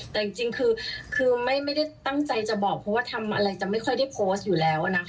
แต่จริงคือไม่ได้ตั้งใจจะบอกเพราะว่าทำอะไรจะไม่ค่อยได้โพสต์อยู่แล้วนะคะ